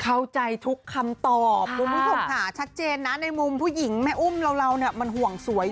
เข้าใจทุกคำตอบผมผ่านชัดเจนในมุมผู้หญิงแม่อุ้มเรามันห่วงสวย